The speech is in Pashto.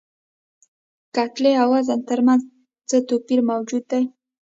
کتلې او وزن تر منځ څه توپیر موجود دی؟